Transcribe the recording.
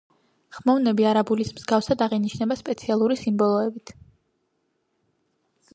ხმოვნები არაბულის მსგავსად აღინიშნება სპეციალური სიმბოლოებით.